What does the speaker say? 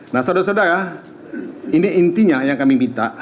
nah saudara saudara ini intinya yang kami minta